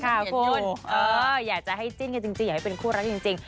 คุณอยากจะให้จิ้นกันจริงอยากให้เป็นคู่รักจริง